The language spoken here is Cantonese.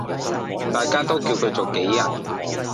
大家都叫佢做杞人